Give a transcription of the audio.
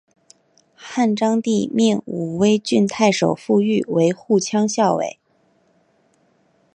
汉章帝命武威郡太守傅育为护羌校尉。